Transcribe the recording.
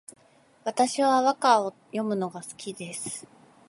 私は和歌を詠むのが好きです